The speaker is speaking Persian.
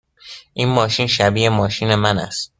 این ماشین شبیه ماشین من است.